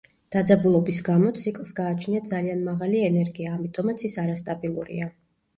დაძაბულობის გამო ციკლს გააჩნია ძალიან მაღალი ენერგია, ამიტომაც ის არასტაბილურია.